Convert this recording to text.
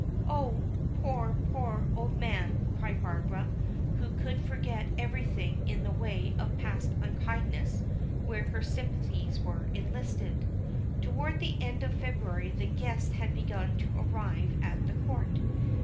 "Oh! poor, poor old man!" cried Barbara, who could forget everything in the way of past unkindness where her sympathies were enlisted. Toward the end of February the guests had begun to arrive at the Court.